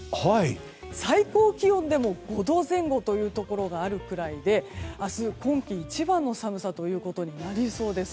最高気温でも５度前後のところがあるくらいで明日今季一番の寒さとなりそうです。